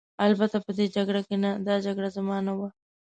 البته په دې جګړه کې نه، دا جګړه زما نه وه.